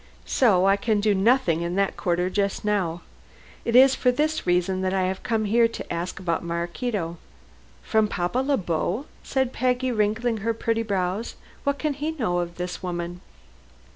So I can do nothing in that quarter just now. It is for this reason that I have come here to ask about Maraquito." "From Papa Le Beau," said Peggy, wrinkling her pretty brows. "What can he know of this woman?"